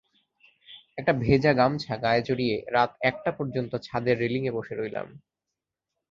একটা ভেজা গামছা গায়ে জড়িয়ে রাত একটা পর্যন্ত ছাদের রেলিং-এ বসে রইলাম।